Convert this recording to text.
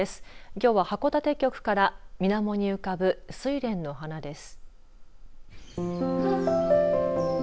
きょうは函館局からみなもに浮かぶスイレンの花です。